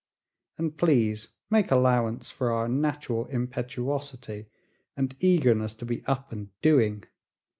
And please make allowance for our natural impetuosity and eagerness to be up and doing.